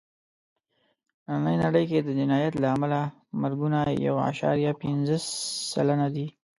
نننۍ نړۍ کې د جنایت له امله مرګونه یو عشاریه پینځه سلنه دي.